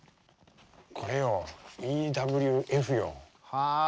これよＥＷＦよ。はあ